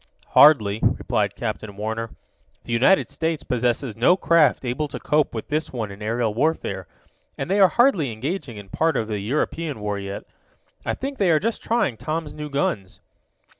"Hardly," replied Captain Warner. "The United States possesses no craft able to cope with this one in aerial warfare, and they are hardly engaging in part of the European war yet. I think they are just trying Tom's new guns."